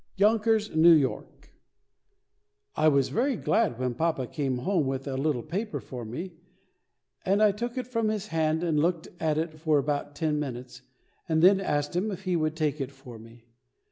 YONKERS, NEW YORK. I was very glad when papa came home with a little paper for me, and I took it from his hand and looked at it for about ten minutes, and then asked him if he would take it for me.